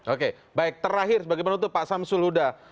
oke baik terakhir bagaimana untuk pak samsul huda